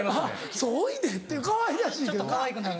「そういね」ってかわいらしいけどな。